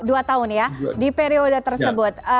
dua tahun ya di periode tersebut